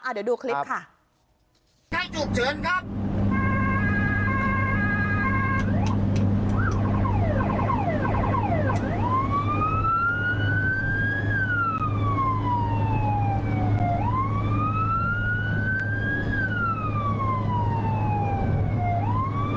คนไข้จุกเฉินครับ